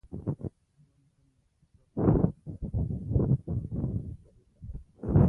• ژوند تل ته فرصت درکوي، یوازې ته باید یې وپېژنې.